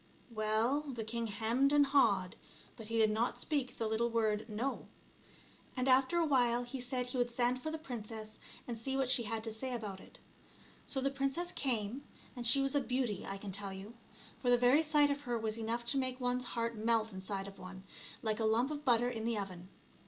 Well, the king hemmed and hawed, but he did not speak the little word " no ;" and after a while he said he would send for the princess, and see what she had to say about it. So the princess came, and she was a beauty I can tell you, for the very sight of her was enough to make one's heart melt inside of one, like a lump of butter in the oven.